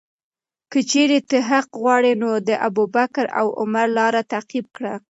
که چیرې ته حق غواړې، نو د ابوبکر او عمر لاره تعقیب کړه.